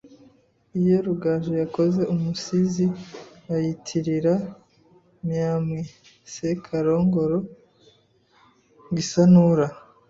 Iyo Rugaju yakoze umusizi ayitirira Miamwe II Sekarongoro II Gisanura